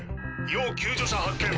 要救助者発見。